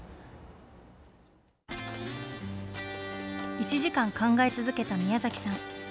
１時間考え続けた宮崎さん。